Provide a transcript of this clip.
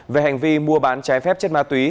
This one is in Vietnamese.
về hành vi mua bán trái phép chất ma túy